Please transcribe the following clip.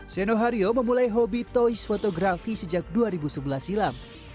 seno hario memulai hobi toys fotografi sejak dua ribu sebelas silam